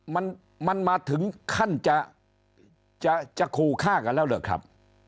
มันมันมาถึงขั้นจะจะขู่ฆ่ากันแล้วเหรอครับ